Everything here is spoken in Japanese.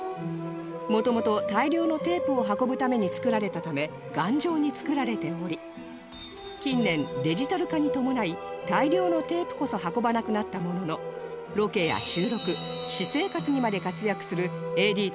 元々大量のテープを運ぶために作られたため頑丈に作られており近年デジタル化に伴い大量のテープこそ運ばなくなったもののロケや収録私生活にまで活躍する ＡＤ たちのマストアイテム